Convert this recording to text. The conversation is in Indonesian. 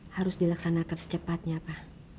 harus dilaksanakan secepatnya pa